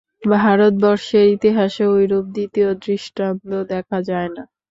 ভারতবর্ষের ইতিহাসে ঐরূপ দ্বিতীয় দৃষ্টান্ত দেখা যায় না।